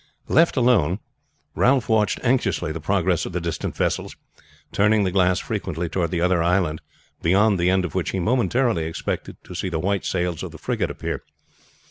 Left alone, Ralph watched anxiously the progress of the distant vessels, turning the glass frequently toward the other island, beyond the end of which he momentarily expected to see the white sails of the frigate appear.